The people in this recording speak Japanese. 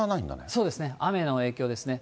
そうですね、雨の影響ですね。